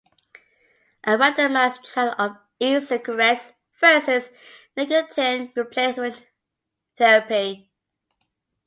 A randomized trial of e-cigarettes versus nicotine-replacement therapy.